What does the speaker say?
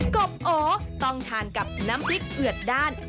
กบโอต้องทานกับน้ำพริกเผือกด้าน